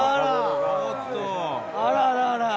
あらららら！